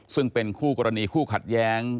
ซึ่งเป็นคู่กรณีคู่ขัดแย้ง